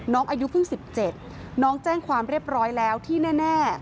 น้องอายุเพิ่งสิบเจ็ดน้องแจ้งความเรียบร้อยแล้วที่แน่แน่